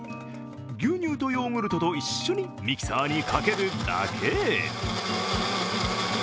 牛乳とヨーグルトと一緒にミキサーにかけるだけ。